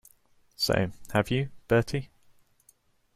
So have you, Bertie.